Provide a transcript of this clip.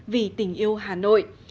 vì tình yêu hà nội